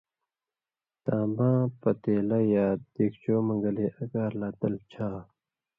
تان٘باں پتېلہ یا دِگچو مہ گلے اگار لا تلہۡ چھا